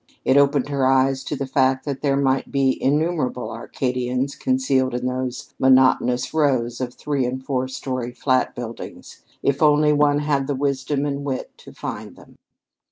It opened her eyes to the fact that there might be innumerable Arcadians concealed in those monotonous rows of three and four story flat buildings, if only one had the wisdom and wit to find them.